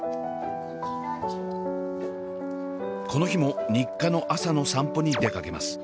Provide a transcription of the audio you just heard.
この日も日課の朝の散歩に出かけます。